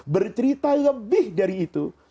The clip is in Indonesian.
bercerita lebih dari itu